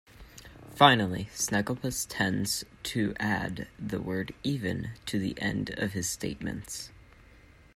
Finally, Snagglepuss tends to add the word "even" to the end of his statements.